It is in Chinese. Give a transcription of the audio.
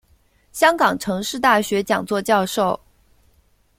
香港城市大学讲座教授。